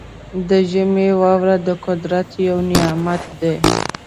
د ژمي واوره د قدرت یو نعمت دی.